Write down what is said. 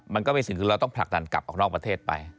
มันก็เป็นสิ่งที่เราต้องผลักดันกลับออกนอกประเทศไป